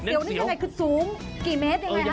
เดี๋ยวนี่ยังไงคือสูงกี่เมตรยังไงฮ